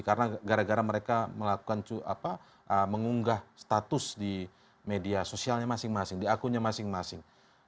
karena gara gara mereka melakukan mengunggah status di media sosialnya masing masing di akunnya masing masing